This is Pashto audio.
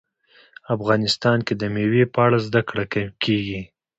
افغانستان کې د مېوې په اړه زده کړه کېږي.